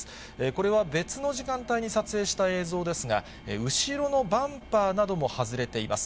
これは別の時間帯に撮影した映像ですが、後ろのバンパーなども外れています。